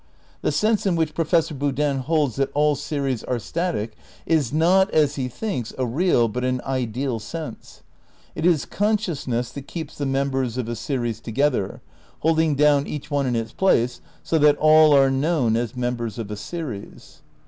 The sense in which Professor Boodin holds that all series are static is not, as he thinks, a real but an ideal sense. It is conscious ness that keeps the members of a series together, hold ing down each one in its place, so that all are known as members of a series.